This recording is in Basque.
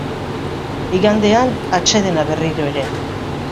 Igandean, atsedena berriro ere.